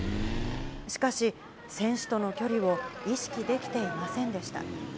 しかし、選手との距離を意識できていませんでした。